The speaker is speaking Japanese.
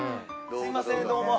すいませんどうも。